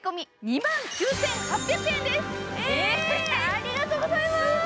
ありがとうございます！